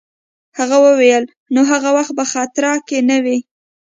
هغې وویل: نو هغه وخت په خطره کي نه وې؟